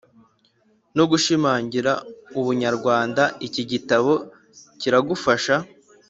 no gushimangira ubunyarwanda Iki gitabo kiragufasha